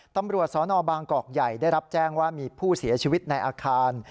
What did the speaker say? ตำรวจสนบางกอกใหญ่ได้รับแจ้งว่ามีผู้เสียชีวิตในอาคาร